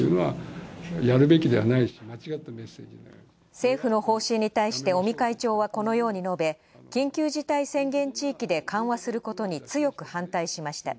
政府の方針に対して尾身会長はこのように述べ緊急事態宣言地域で緩和することに強く反対しました。